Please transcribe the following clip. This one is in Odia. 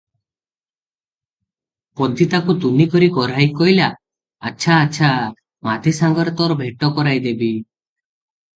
ପଦୀ ତାକୁ ତୁନି କରାଇ କହିଲା, "ଆଚ୍ଛା ଆଚ୍ଛା, ମାଧୀ ସାଙ୍ଗରେ ତୋର ଭେଟ କରାଇ ଦେବି ।"